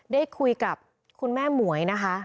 ได้คุยกับคุณแม่หมวยนะคะ